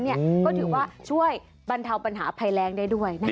สักนี้ก็คือว่าช่วยบรรเทาปัญหาภัยแรงได้ด้วย